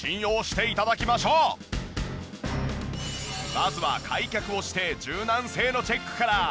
まずは開脚をして柔軟性のチェックから。